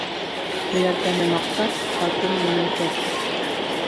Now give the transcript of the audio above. Һөйәркәне маҡта, ҡатын менән тор.